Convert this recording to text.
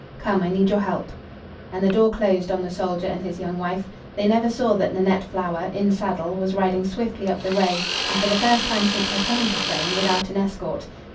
Come, I need your help." And the door closed on the soldier and his young wife. They never saw that Nanette Flower, in saddle, was riding swiftly up the row, and, for the first time since her coming to Frayne, without an escort.